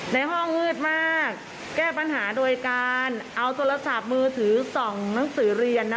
ในห้องมืดมากแก้ปัญหาโดยการเอาโทรศัพท์มือถือส่องหนังสือเรียนนะ